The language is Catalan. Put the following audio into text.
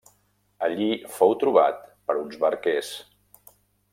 Allí fou trobat per uns barquers.